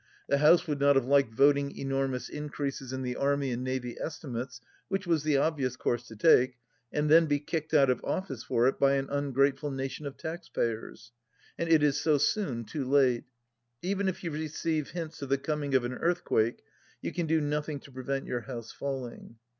The House would not have liked voting enormous increases in the Army and Navy Estimates, which was the obvious course to take, and then be kicked out of office for it by an ungrateful nation of taxpayers ! And it is so soon too late ! Even if you receive hints of the coming of an earthquake, you can do nothing to prevent your house falling